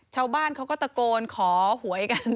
ชาวบ้านเขาก็ตะโกนขอหวยกัน